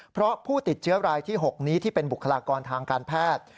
เพราะผู้ติดเชื้อรายที่๖นี้ที่เป็นบุคลากรทางการแพทย์